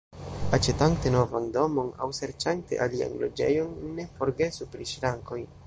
Aĉetante novan domon aŭ serĉante alian loĝejon, ne forgesu pri ŝrankoj.